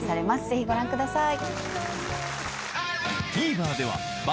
ぜひご覧ください。